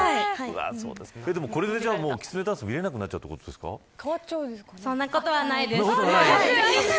これできつねダンスは見れなくなっちゃうそんなことはないです。